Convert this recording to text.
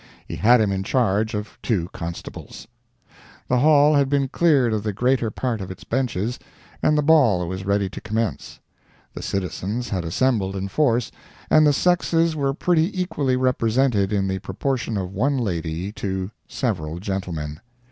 He had him in charge of two constables. The Hall had been cleared of the greater part of its benches, and the ball was ready to commence. The citizens had assembled in force, and the sexes were pretty equally represented in the proportion of one lady to several gentlemen.